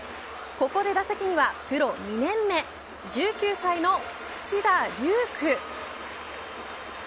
ここで打席には、プロ２年目１９歳の土田龍空。